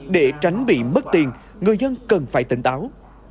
để tránh bị mất tiền người dân cần phải tỉnh táo